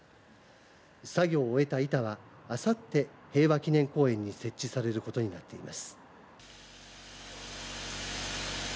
作業を終えた板は、あさって平和祈念公園に設置されることになっています。